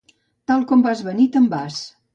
Tal com vas venir te'n vas